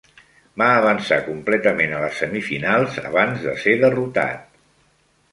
Va avançar completament a les semifinals abans de ser derrotat.